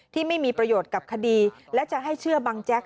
ที่ไม่มีประโยชน์กับคดีและจะให้เชื่อบังแจ๊ก